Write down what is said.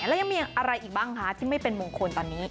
แล้วยังมีอะไรอีกบ้างคะที่ไม่เป็นมงคลตอนนี้